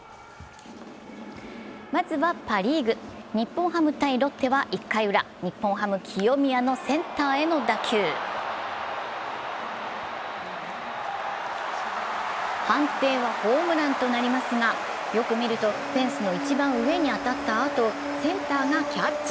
先ずはパ・リーグ、日本ハム×ロッテは１回ウラ、日本ハム・清宮のセンターへの打球判定はホームランとなりますがよく見るとフェンスの一番上に当たったあとセンターがキャッチ。